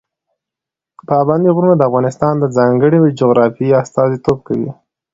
پابندي غرونه د افغانستان د ځانګړې جغرافیې استازیتوب کوي.